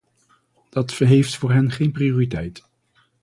Dat heeft voor hen geen prioriteit.